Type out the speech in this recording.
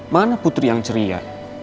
mana putri yang ceria